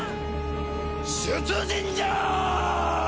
出陣じゃあ！